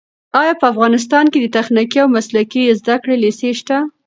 ایا په افغانستان کې د تخنیکي او مسلکي زده کړو لیسې شته؟